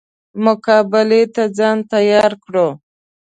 مقابلې ته ځان تیار کړو.